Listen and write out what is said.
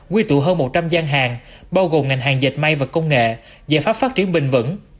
quy tụ hơn một trăm linh gian hàng bao gồm ngành hàng dệt may và công nghệ giải pháp phát triển bình vẩn